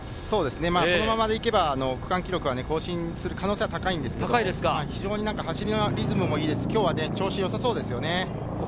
このまま行けば区間記録は更新する可能性は高いんですけど、非常に走りのリズムもいいですし、今日は調子よさそうですよね。